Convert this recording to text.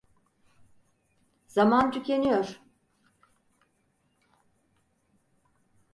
Zaman tükeniyor.